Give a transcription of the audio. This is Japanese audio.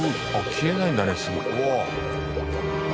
消えないんだねすぐ。